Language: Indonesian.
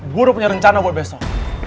gue udah punya rencana buat besok